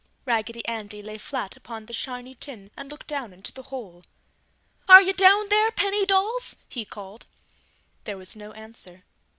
Raggedy Andy lay flat upon the shiny tin and looked down into the hole. "Are you down there, penny dolls?" he called. There was no answer.